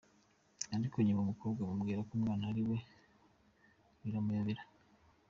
Ariko nyuma umukobwa amubwira ko umwana ari uwe biramuyobera.